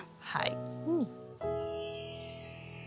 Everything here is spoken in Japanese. はい。